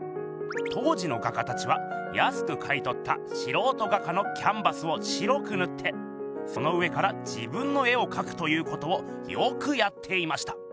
当時の画家たちはやすく買いとったしろうと画家のキャンバスを白くぬってその上から自分の絵をかくということをよくやっていました。